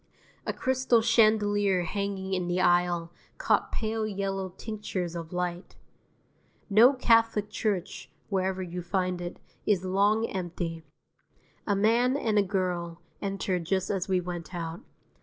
A crystal chandelier hanging in the aisle caught pale yellow tinctures of light. No Catholic church, wherever you find it, is long empty; a man and a girl entered just as we went out.